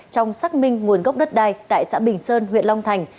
trong xác minh nguồn gốc đất đai tại xã bình sơn huyện long thành